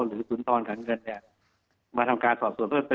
หรือศูนย์ตอนขันเงินมาทำการสอบสวนเพื่อเติม